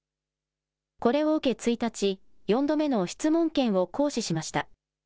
これを受け１日、４度目の質問権を行使しました。